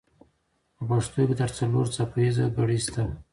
په پښتو کې تر څلور څپه ایزه ګړې شته.